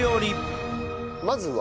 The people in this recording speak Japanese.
まずは？